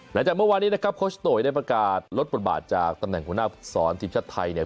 หลังจากเมื่อวานนี้นะครับโคชโตยได้ประกาศลดบทบาทจากตำแหน่งหัวหน้าภูมิสอนทีมชาติไทยเนี่ย